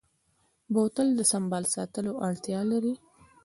بوتل د سنبال ساتلو اړتیا لري.